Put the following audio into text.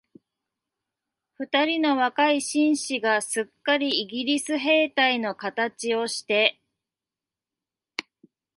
二人の若い紳士が、すっかりイギリスの兵隊のかたちをして、